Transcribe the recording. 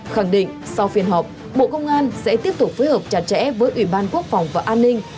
khẳng định sau phiên họp bộ công an sẽ tiếp tục phối hợp chặt chẽ với ủy ban quốc phòng và an ninh